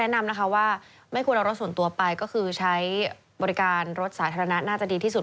แล้วไม่กลัวเราส่งไปก็คือใช้บริการรถสาธารณาน่าจะดีที่สุด